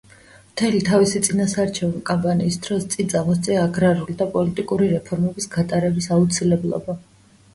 მთელი თავისი წინასაარჩევნო კამპანიის დროს წინ წამოსწია აგრარული და პოლიტიკური რეფორმების გატარების აუცილებლობა.